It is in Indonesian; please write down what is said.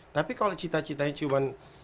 tapi kalau cita citanya cuma